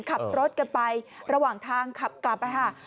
ขับรถกันไประหว่างทางขับกลับนะคะ